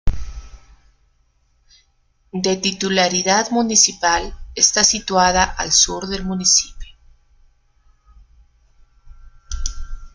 De titularidad municipal está situada al sur del municipio.